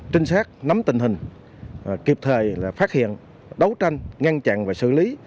trinh sát nắm tình hình kịp thời phát hiện đấu tranh ngăn chặn và xử lý